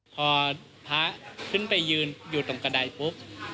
พอพระขึ้นไปยืนอยู่ตรงกระดายปุ๊บ